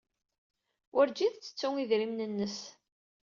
Werjin tettettu idrimen-nnes.